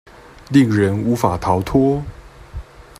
令人無法逃脫